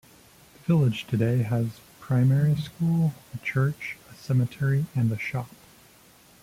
The village today has a primary school, a church, a cemetery, and a shop.